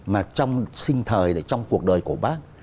mà trong sinh thời trong cuộc đời của bác